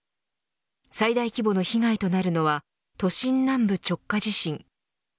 最大規模の被害となるのは都心南部直下地震。